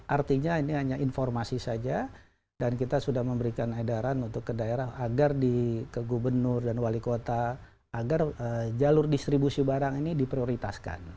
artinya ini hanya informasi saja dan kita sudah memberikan edaran untuk ke daerah agar di ke gubernur dan wali kota agar jalur distribusi barang ini diprioritaskan